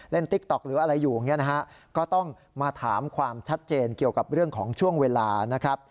ติ๊กต๊อกหรืออะไรอยู่อย่างนี้นะฮะก็ต้องมาถามความชัดเจนเกี่ยวกับเรื่องของช่วงเวลานะครับ